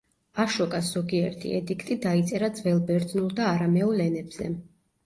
აშოკას ზოგიერთი ედიქტი დაიწერა ძველბერძნულ და არამეულ ენებზე.